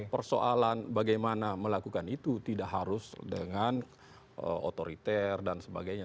persoalan bagaimana melakukan itu tidak harus dengan otoriter dan sebagainya